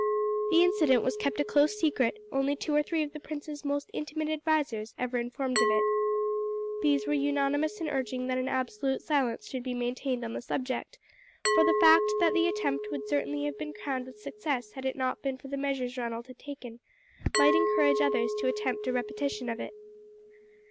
The incident was kept a close secret, only two or three of the prince's most intimate advisers ever informed of it. These were unanimous in urging that an absolute silence should be maintained on the subject, for the fact that the attempt would have certainly been crowned with success had it not been for the measures Ronald had taken, might encourage others to attempt a repetition of it.